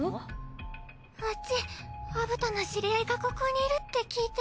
わっちアブトの知り合いがここにいるって聞いて。